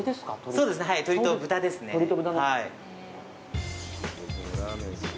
そうですね、はい。